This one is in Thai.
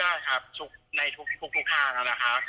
เราเชื่อนะครับในทุกทางอะนะคะ